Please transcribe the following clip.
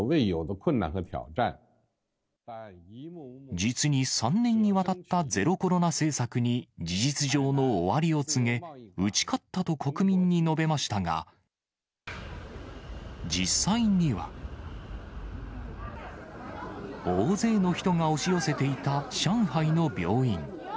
実に３年にわたったゼロコロナ政策に、事実上の終わりを告げ、打ち勝ったと国民に述べましたが、実際には。大勢の人が押し寄せていた上海の病院。